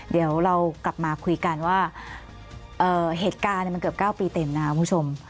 เดี๋ยวเรากลับมาคุยกันว่าเหตุการณ์มันเกือบ๙ปีเต็มนะครับคุณผู้ชม